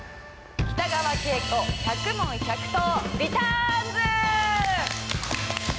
北川景子１００問１００答リターンズ！